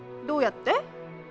どうやって？